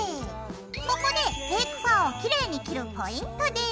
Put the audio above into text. ここでフェイクファーをきれいに切るポイントです！